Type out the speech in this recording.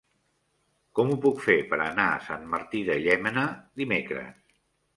Com ho puc fer per anar a Sant Martí de Llémena dimecres?